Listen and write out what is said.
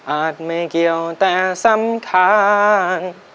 ไม่เกี่ยวแต่สำคัญ